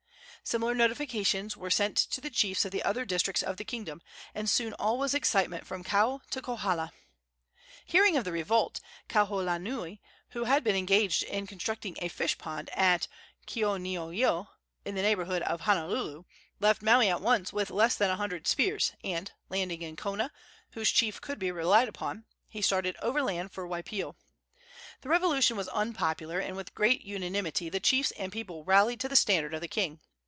Similar notifications were sent to the chiefs of the other districts of the kingdom, and soon all was excitement from Kau to Kohala. Hearing of the revolt, Kauholanui, who had been engaged in constructing a fish pond at Keoneoio, in the neighborhood of Honuaula, left Maui at once with less than a hundred spears, and, landing in Kona, whose chief could be relied upon, he started overland for Waipio. The revolution was unpopular, and with great unanimity the chiefs and people rallied to the standard of the king.